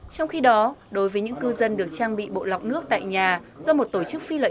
trong khi đó đối với những cư dân được trang bị bộ lọc nước tại nhà do một tổ chức phi lợi